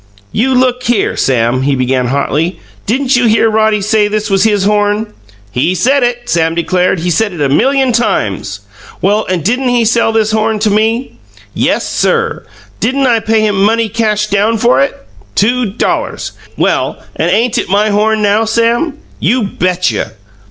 "You look here, Sam," he began hotly. "Didn't you hear Roddy say this was his horn?" "He said it!" Sam declared. "He said it a million times!" "Well, and didn't he sell this horn to me?" "Yes, SIR!" "Didn't I pay him money cash down for it?" "Two dollars!" "Well, and ain't it my horn now, Sam?" "You bet you!"